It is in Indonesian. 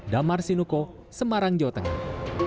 damar sinuko semarang jawa tengah